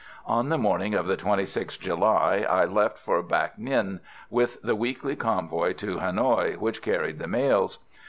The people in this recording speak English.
On the morning of the 26th July I left for Bac Ninh with the weekly convoy to Hanoï which carried the mails.